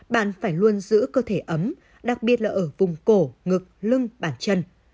bạn phải luôn giữ cơ thể ấm đặc biệt là ở vùng cổ ngực lưng bản chân